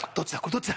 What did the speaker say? どっちだ